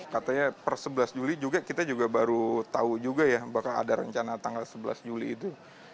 katanya per sebelas juli juga kita juga baru tahu juga ya bakal ada rencana tanggal sebelas juli itu